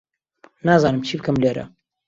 نازانم چی بکەم لێرە.